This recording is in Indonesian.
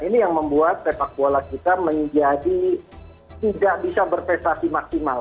ini yang membuat sepak bola kita menjadi tidak bisa berprestasi maksimal